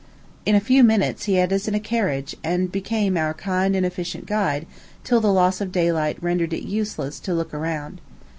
In a few minutes he had us in a carriage, and became our kind and efficient guide till the loss of daylight rendered it useless to look around.